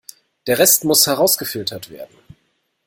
Der Rest muss herausgefiltert werden.